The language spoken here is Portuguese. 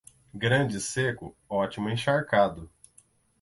Grande seco, ótimo encharcado.